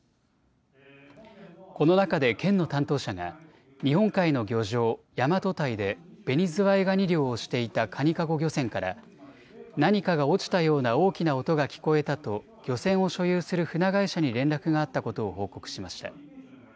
この中で県の担当者が日本海の漁場、大和堆でベニズワイガニ漁をしていたかにかご漁船から何かが落ちたような大きな音が聞こえたと漁船を所有する船会社に連絡があったことを報告しました。